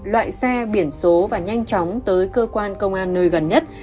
loại xe biển số và nhanh chóng tới cơ quan công an nơi gần nhất